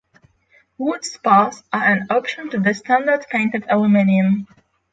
Wood spars are an option to the standard painted aluminum.